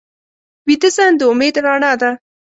ویده ذهن د امید رڼا ده